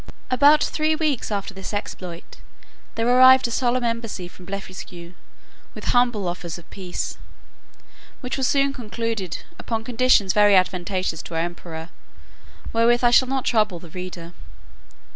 About three weeks after this exploit, there arrived a solemn embassy from Blefuscu, with humble offers of a peace, which was soon concluded, upon conditions very advantageous to our emperor, wherewith I shall not trouble the reader.